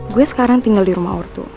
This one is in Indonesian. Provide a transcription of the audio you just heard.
gue sekarang tinggal di rumah orto